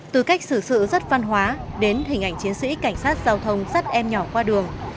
từ cách xử sự rất văn hóa đến hình ảnh chiến sĩ cảnh sát giao thông dắt em nhỏ qua đường